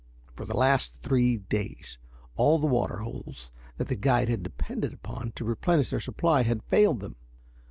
For the last three days all the water holes that the guide had depended upon to replenish their supply had failed them.